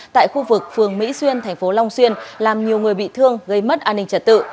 tại khu vực phường mỹ xuyên thành phố long xuyên làm nhiều người bị thương gây mất an ninh trật tự